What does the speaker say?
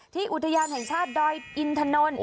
ที่อุทยานแห่งชาติดอยด์อินทนน